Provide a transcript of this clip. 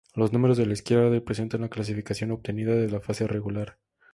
Los números de la izquierda representan la clasificación obtenida en la fase regular.